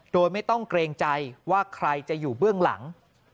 โดยไม่ต้องเกรงใจว่าใครจะอยู่เบื้องหลัง